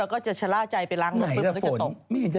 เราก็จะชะล่าใจไปล้างมือ